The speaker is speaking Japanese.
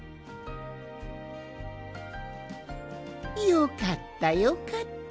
よかったよかった。